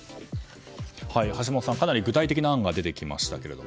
橋下さん、かなり具体的な案が出てきましたが。